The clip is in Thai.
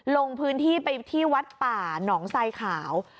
ลงพื้นที่ไปที่วัดป่าหนองไซขาว